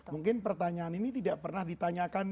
mungkin pertanyaan ini tidak pernah ditanyakan